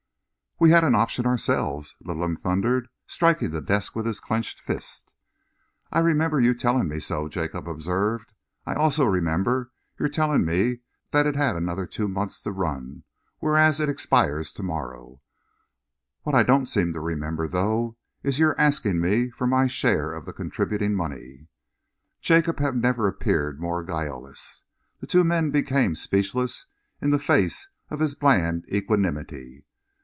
"We had an option ourselves!" Littleham thundered, striking the desk with his clenched fist. "I remember your telling me so," Jacob observed. "I also remember your telling me that it had another two months to run, whereas it expires to morrow. What I don't seem to remember, though, is your asking me for my share of the contributing money." Jacob had never appeared more guileless. The two men became speechless in the face of his bland equanimity.